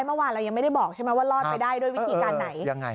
เมื่อวานเรายังไม่ได้บอกใช่ไหมว่ารอดไปได้ด้วยวิธีการไหนยังไง